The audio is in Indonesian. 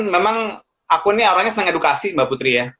memang aku nih orangnya senang edukasi mbak putri ya